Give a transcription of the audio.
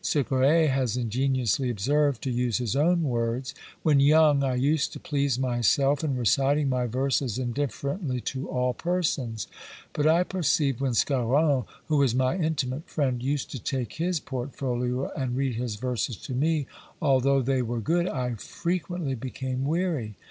Segrais has ingeniously observed, to use his own words, "When young I used to please myself in reciting my verses indifferently to all persons; but I perceived when Scarron, who was my intimate friend, used to take his portfolio and read his verses to me, although they were good, I frequently became weary.